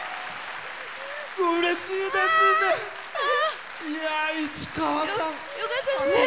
うれしいですね！